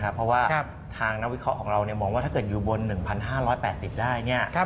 เพราะว่าทางนักวิเคราะห์ของเรามองว่าถ้าเกิดอยู่บน๑๕๘๐ได้